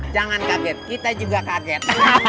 jangan kaget kita juga kaget